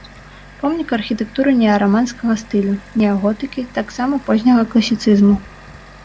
Помнік архітэктуры неараманскага стылю, неаготыкі, таксама позняга класіцызму.